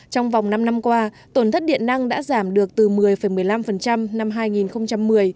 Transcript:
trong vòng năm năm qua tổn thất điện năng đã giảm được từ một mươi một mươi năm năm hai nghìn một mươi